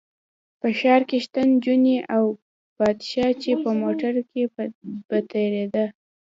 په ښار کې شته نجونې او پادشاه چې په موټر کې به تېرېده.